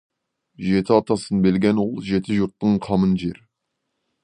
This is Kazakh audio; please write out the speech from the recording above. Жеті атасын білген ұл жеті жұрттың қамын жер.